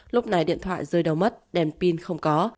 lúc này điện thoại rơi đầu mất đèn pin không có